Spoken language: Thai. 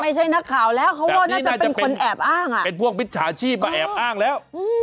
ไม่ใช่นักข่าวแล้วเขาก็น่าจะเป็นคนแอบอ้างอ่ะเป็นพวกมิจฉาชีพมาแอบอ้างแล้ว